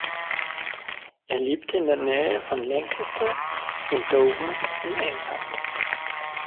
Er lebte in der Nähe von Lancaster und Dover in England.